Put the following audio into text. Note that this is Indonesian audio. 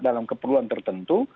dalam keperluan tertentu